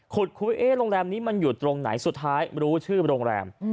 คุยโรงแรมนี้มันอยู่ตรงไหนสุดท้ายรู้ชื่อโรงแรม